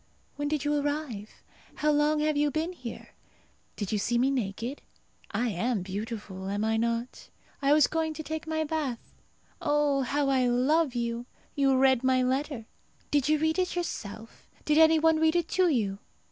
When did you arrive? How long have you been here? Did you see me naked? I am beautiful, am I not? I was going to take my bath. Oh, how I love you! You read my letter! Did you read it yourself? Did any one read it to you?